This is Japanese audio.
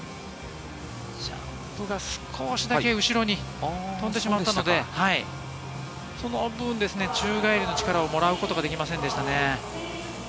ジャンプが少しだけ後ろに飛んでしまったので、その分、宙返りの力をもらえることができませんでしたね。